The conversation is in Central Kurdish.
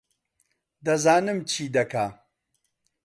دەزانم چی دەکا